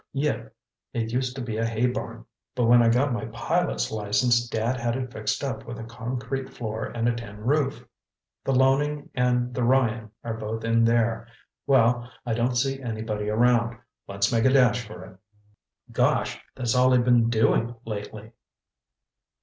"Yep. It used to be a hay barn, but when I got my pilot's license, Dad had it fixed up with a concrete floor and a tin roof. The Loening and the Ryan are both in there. Well, I don't see anybody around. Let's make a dash for it." "Gosh, that's all I've been doing lately!"